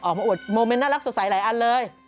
ออกมาอวดโมเมนต์สวยอันสวยอะไรอันเลย